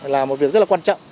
là một việc rất là quan trọng